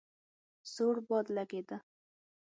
سوړ باد لګېده.